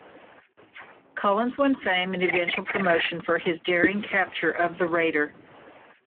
Collins won fame and eventual promotion for his daring capture of the raider.